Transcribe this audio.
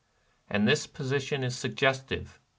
And this position is suggestive.